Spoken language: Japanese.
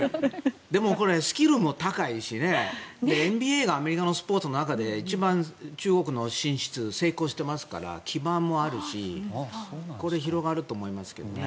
でもこれ、スキルも高いしＮＢＡがアメリカのスポーツの中で一番中国の進出成功していますが基盤もあるしこれ、広がると思いますけどね。